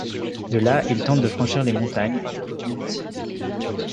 De là, il tente de franchir les montagnes et de revenir en Syrie.